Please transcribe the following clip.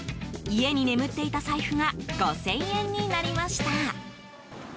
家に眠っていた財布が５０００円になりました。